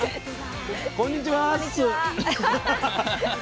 こんにちはっ